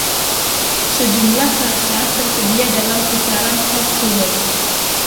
Sejumlah rasa tersedia dalam kisaran Half Sugar.